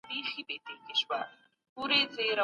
آيا سياستپوهنه د قدرت لاسته راوړل دي؟